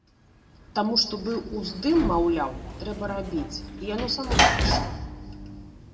Таму што быў уздым, маўляў, трэба рабіць, і яно само прыйшло.